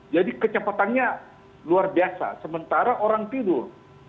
jadi kecepatannya luar biasa sementara orang tidur